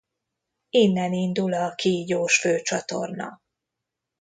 Innen indul a Kígyós-főcsatorna.